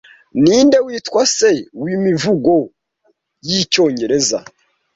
Ninde witwa Se w'Imivugo y'Icyongereza